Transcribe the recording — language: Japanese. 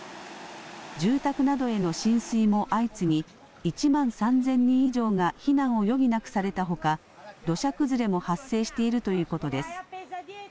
住宅などへの浸水も相次ぎ１万３０００人以上が避難を余儀なくされたほか土砂崩れも発生しているということです。